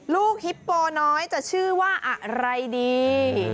ฮิปโปน้อยจะชื่อว่าอะไรดี